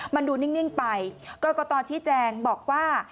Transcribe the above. มันดูนิ่งไปกรกตชี้แจงบอกว่า